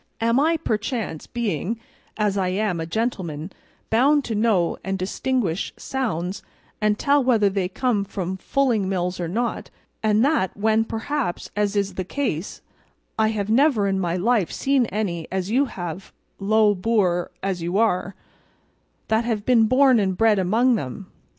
Am I, perchance, being, as I am, a gentleman, bound to know and distinguish sounds and tell whether they come from fulling mills or not; and that, when perhaps, as is the case, I have never in my life seen any as you have, low boor as you are, that have been born and bred among them?